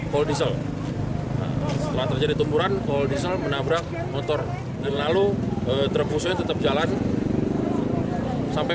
koldiesel setelah terjadi tumpuran koldiesel menabrak motor lalu terpaksa tetap jalan sampai